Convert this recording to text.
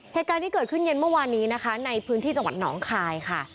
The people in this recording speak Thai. เหตุการณ์ที่เกิดขึ้นเย็นเมื่อวานนี้นะคะในพื้นที่จังหวัดหนองคายค่ะ